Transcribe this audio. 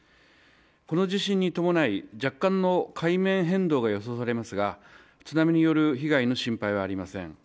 この地震に伴い若干の海面変動が予想されますが、津波による被害の心配はありません。